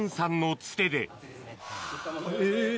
え？